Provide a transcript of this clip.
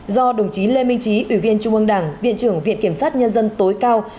do đồng chí lê minh trí ủy viên trung ương đảng viện trưởng viện kiểm sát nhân dân tối cao